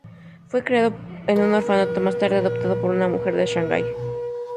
Fue criado en un orfanato y más tarde adoptado por una mujer de Shanghai.